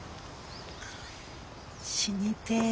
死にてえ。